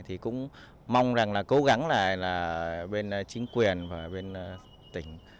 thì cũng mong rằng là cố gắng là bên chính quyền và bên tỉnh